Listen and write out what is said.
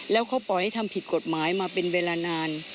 แล้วเขาปล่อยให้ทำผิดกฎหมายมาเป็นเวลานาน